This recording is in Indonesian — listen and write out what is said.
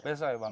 besok ya bang